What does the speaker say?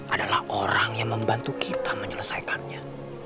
adalah orang yang membantu kita menyelesaikannya